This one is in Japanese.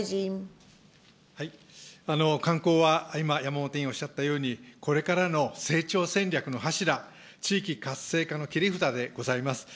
観光は今、山本委員おっしゃったように、これからの成長戦略の柱、地域活性化の切り札でございます。